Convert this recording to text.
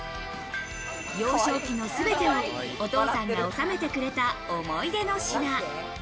幼少期のすべてをお父さんが納めてくれた、思い出の品。